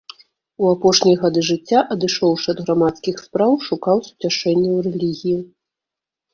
У апошнія гады жыцця адышоўшы ад грамадскіх спраў, шукаў суцяшэння ў рэлігіі.